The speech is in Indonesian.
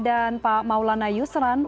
dan pak maulana yusran